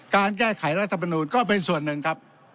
การแก้ไขรัฐมนูลก็เป็นส่วนหนึ่งครับ